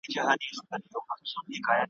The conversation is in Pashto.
په هینداره کي د ځان په تماشا وه `